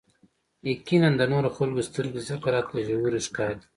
يقيناً د نورو خلکو سترګې ځکه راته ژورې ښکاري.